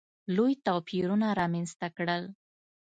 لوی توپیرونه رامځته کړل.